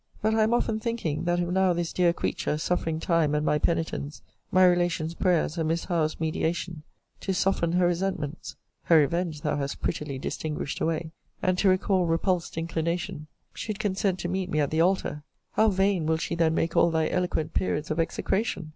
But I am often thinking that if now this dear creature, suffering time, and my penitence, my relations' prayers, and Miss Howe's mediation to soften her resentments, (her revenge thou hast prettily* distinguished away,) and to recall repulsed inclination, should consent to meet me at the altar How vain will she then make all thy eloquent periods of execration!